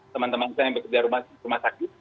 teman teman saya yang bekerja rumah sakit